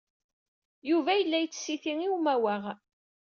Yuba yella yettsiti i umawaɣ.